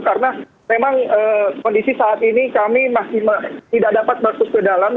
karena memang kondisi saat ini kami masih tidak dapat masuk ke dalam